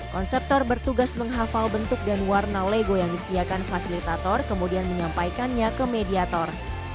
konseptor bertugas menghafal bentuk dan warna lego yang disediakan fasilitator kemudian menyampaikannya ke mediator